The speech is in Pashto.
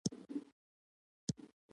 مومنه کله به په وصل سره کیږو.